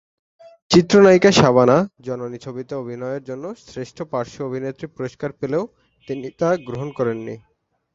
চিত্র নায়িকা শাবানা "জননী" ছবিতে অভিনয়ের জন্য শ্রেষ্ঠ পার্শ্ব অভিনেত্রী পুরস্কার পেলেও তিনি তা গ্রহণ করেননি।